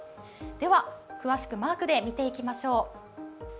では、詳しくマークで見ていきましょう。